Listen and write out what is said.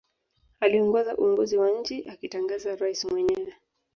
Aliongoza uongozi wa nchi akitangaza rais mwenyewe